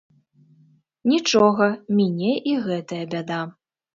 Нічога, міне і гэтая бяда.